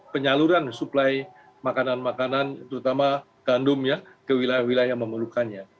penyaluran suplai makanan makanan terutama gandum ya ke wilayah wilayah yang memerlukannya